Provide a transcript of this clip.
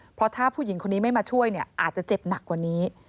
เพราะถ้าผู้หญิงคนนี้ไม่มาช่วยเนี่ยอาจจะเจ็บหนักกว่านี้